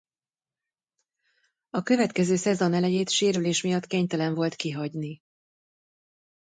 A következő szezon elejét sérülés miatt kénytelen volt kihagyni.